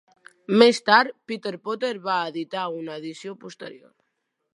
Més tard, Peter Porter va editar una edició posterior.